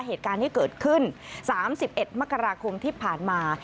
เหตุการณ์ที่เกิดขึ้น๓๑มกราคมที่ผ่านมา